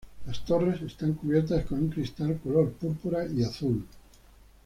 Las torres están cubiertas con un cristal color púrpura y azul.